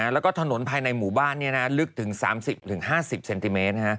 แล้วก็ถนนภายในหมู่บ้านลึกถึง๓๐๕๐เซนติเมตร